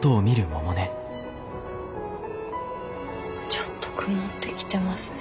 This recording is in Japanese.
ちょっと曇ってきてますね。